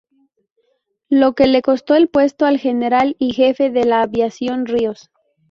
Lo que le costó el puesto al general y jefe de la aviación Ríos.